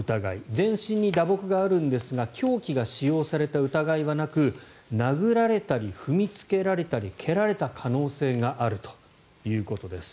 全身に打撲があるんですが凶器が使用された疑いはなく殴られたり、踏みつけられたり蹴られた可能性があるということです。